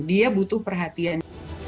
dia butuh perhatian